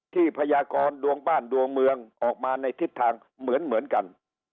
พยากรดวงบ้านดวงเมืองออกมาในทิศทางเหมือนกัน